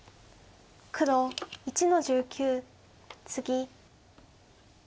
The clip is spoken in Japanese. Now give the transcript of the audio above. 黒１の十九ツギ。